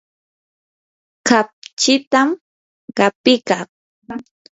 kapchitam qapikaa.